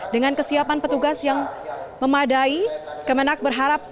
dengan kesiapan petugas yang memadai kemenak berharap